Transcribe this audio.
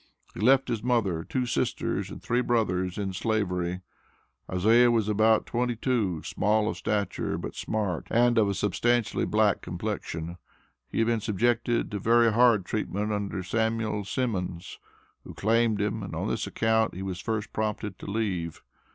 He left his mother, two sisters, and three brothers in Slavery. Isaiah was about twenty two, small of stature, but smart, and of a substantially black complexion. He had been subjected to very hard treatment under Samuel Simmons who claimed him, and on this account he was first prompted to leave.